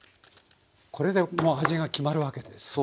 これでもう味が決まるわけですね。